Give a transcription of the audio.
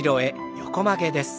横曲げです。